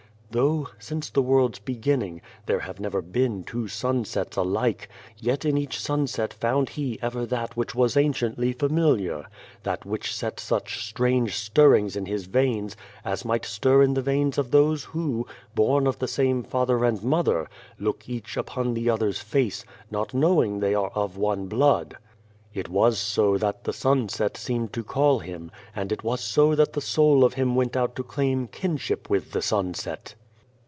" Though, since the world's beginning, there have never been two sunsets alike, yet in each sunset found he ever that which was anciently familiar that which set such strange stirrings in his veins, as might stir in the veins of those who, born of the same father and mother, look each upon the other's face, not knowing that they are of one blood. " It was so that the sunset seemed to call him, and it was so that the soul of him went out to claim kinship with the sunset.